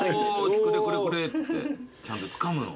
くれくれくれっつってちゃんとつかむの。